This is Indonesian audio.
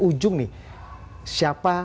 ujung nih siapa